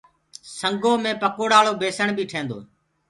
سنگو مي پڪوڙآݪو بيسڻ بي ٺيندوئي